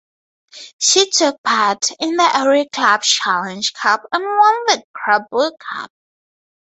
She took part in the Aero Club Challenge Cup and won the Krabbe Cup.